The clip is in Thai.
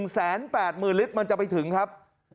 ๑แสน๘หมื่นลิตรมันจะไปถึงครับ